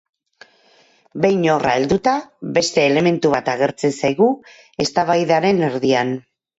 Behin horra helduta, beste elementu bat agertzen zaigu eztabaidaren erdian.